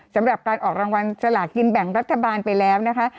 สำหรับการออกรางวัลสลากินแบ่งรัฐบาลไปแล้วนะคะ